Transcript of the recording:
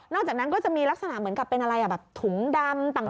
อกจากนั้นก็จะมีลักษณะเหมือนกับเป็นอะไรแบบถุงดำต่าง